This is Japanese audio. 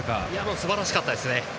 すばらしかったです。